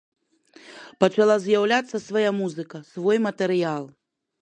Пачала з'яўляцца свая музыка, свой матэрыял.